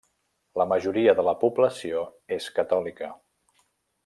La majoria de la població és catòlica.